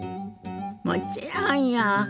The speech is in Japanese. もちろんよ。